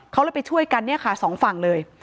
เขาเลยไปช่วยกันเนี่ยค่ะสองฝั่งเลย